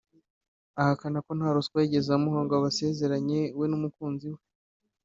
Ahakana ko nta ruswa yigeze amuha ngo abasezeranye we n’umukunzi we